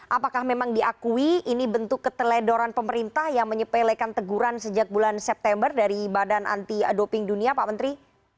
apakah memang diakui ini bentuk keteledoran pemerintah yang menyepelekan teguran sejak bulan september dari badan anti doping dunia pak menteri